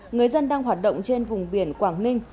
người dân đang hoạt động trên vùng biển quảng ninh